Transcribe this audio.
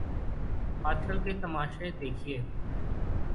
آج کل کے تماشے دیکھیے۔